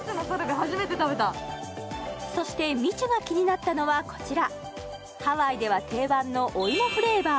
初めて食べたそしてみちゅが気になったのはこちらハワイでは定番のお芋フレーバー